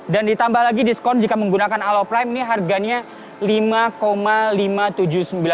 dan ditambah lagi diskon jika menggunakan alo prime ini harganya rp lima lima ratus tujuh puluh sembilan